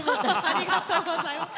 ありがとうございます。